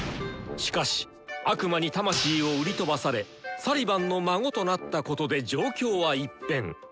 しかし悪魔に魂を売り飛ばされサリバンの孫となったことで状況は一変！